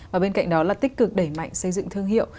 và bên cạnh đó là tích cực đẩy mạnh xây dựng thương hiệu